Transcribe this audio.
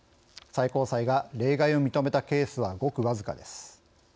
最高裁が例外を認めたケースはごく僅かです。